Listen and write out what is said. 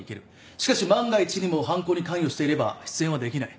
しかし万が一にも犯行に関与していれば出演はできない。